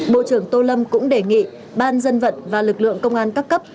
bộ trưởng tô lâm cũng đề nghị ban dân vận và lực lượng công an các cấp